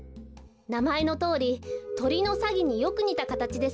なまえのとおりとりのサギによくにたかたちですね。